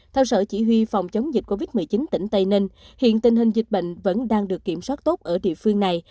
tại huy phòng chống dịch covid một mươi chín tỉnh tây ninh hiện tình hình dịch bệnh vẫn đang được kiểm soát tốt ở địa phương này